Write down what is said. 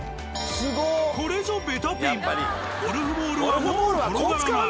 これぞゴルフボールはもう転がらない。